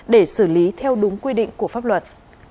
để xử lý theo đúng quy định của pháp luật